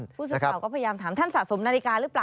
ผู้สื่อข่าวก็พยายามถามท่านสะสมนาฬิกาหรือเปล่า